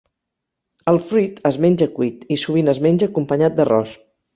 El fruit es menja cuit i sovint es menja acompanyat d'arròs.